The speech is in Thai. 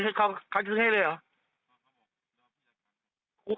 แล้วเขาจะซื้อให้เลยเหรอ